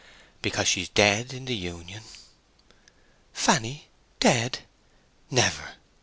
"Because she's dead in the Union." "Fanny dead—never!"